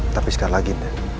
tapi sekali lagi